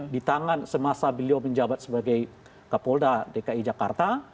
di tangan semasa beliau menjabat sebagai kapolda dki jakarta